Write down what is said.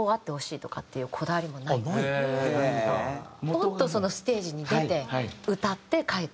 ポッとそのステージに出て歌って帰っていくって。